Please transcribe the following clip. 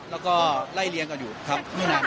แล้วก็ไล่เลี้ยงกันอยู่ครับ